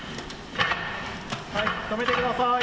はい止めてください！